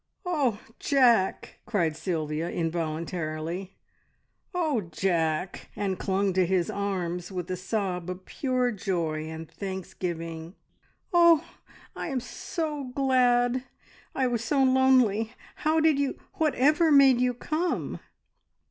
"Oh, Jack!" cried Sylvia involuntarily; "oh, Jack!" and clung to his arm with a sob of pure joy and thanksgiving. "Oh, I'm so glad! I was so lonely. How did you whatever made you come?"